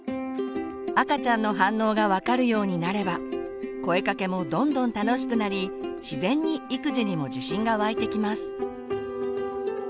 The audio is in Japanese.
赤ちゃんの反応が分かるようになれば声かけもどんどん楽しくなり自然に育児にも自信が湧いてきます。